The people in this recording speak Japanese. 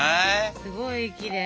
すごいきれい。